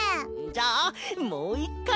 じゃあもう１かい！